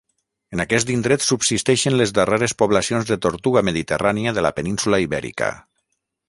En aquest indret subsisteixen les darreres poblacions de tortuga mediterrània de la península Ibèrica.